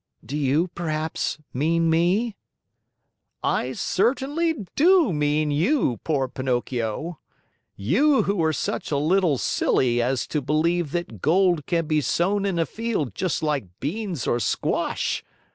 "Do you, perhaps, mean me?" "I certainly do mean you, poor Pinocchio you who are such a little silly as to believe that gold can be sown in a field just like beans or squash.